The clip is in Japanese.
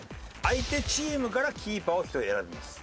相手チームからキーパーを１人選びます。